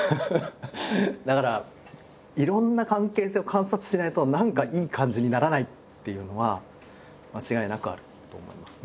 だからいろんな関係性を観察してないと何かいい感じにならないっていうのは間違いなくあると思います。